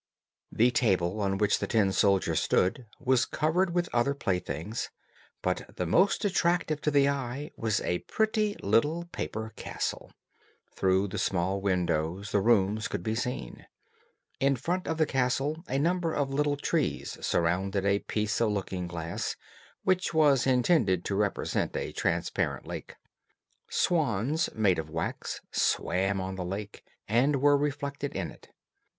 The table on which the tin soldiers stood, was covered with other playthings, but the most attractive to the eye was a pretty little paper castle. Through the small windows the rooms could be seen. In front of the castle a number of little trees surrounded a piece of looking glass, which was intended to represent a transparent lake. Swans, made of wax, swam on the lake, and were reflected in it.